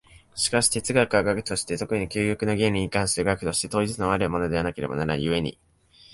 しかし哲学は学として、特に究極の原理に関する学として、統一のあるものでなければならぬ故に、